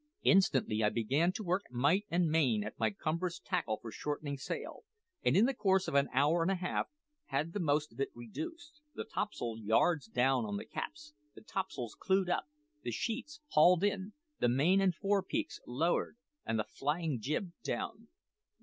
Instantly I began to work might and main at my cumbrous tackle for shortening sail, and in the course of an hour and a half had the most of it reduced the topsail yards down on the caps, the topsails clewed up, the sheets hauled in, the main and fore peaks lowered, and the flying jib down.